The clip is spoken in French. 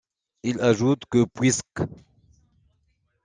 Il ajoute que puisqu'.